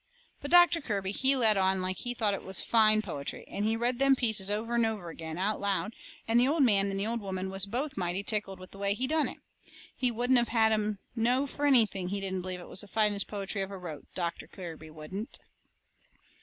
But Doctor Kirby, he let on like he thought it was fine poetry, and he read them pieces over and over agin, out loud, and the old man and the old woman was both mighty tickled with the way he done it. He wouldn't of had 'em know fur anything he didn't believe it was the finest poetry ever wrote, Doctor Kirby wouldn't.